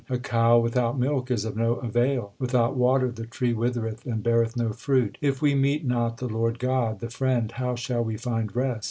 A cow without milk is of no avail : Without water the tree withereth and beareth no fruit. If we meet not the Lord God, the Friend, how shall we find rest